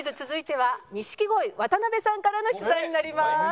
続いては錦鯉渡辺さんからの出題になります。